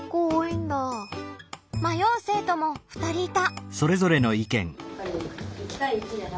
迷う生徒も２人いた。